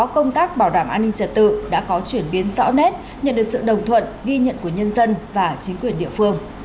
công tác bảo đảm an ninh trật tự đã có chuyển biến rõ nét nhận được sự đồng thuận ghi nhận của nhân dân và chính quyền địa phương